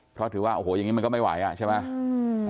เพราะถือว่าโอ้โหอย่างนี้มันก็ไม่ไหวอ่ะใช่ไหม